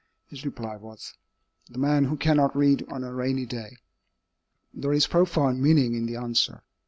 his reply was, "The man who cannot read on a rainy day." There is profound meaning in the answer.